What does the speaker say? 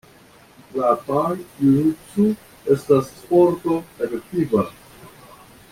La Tai-Jutsu estas sporto efektiva.